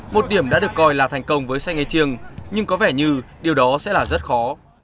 một điểm đã được coi là thành công với saint étienne nhưng có vẻ như điều đó sẽ là rất khó